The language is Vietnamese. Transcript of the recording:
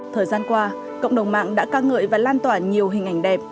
thời gian qua cộng đồng mạng đã ca ngợi và lan tỏa nhiều hình ảnh đẹp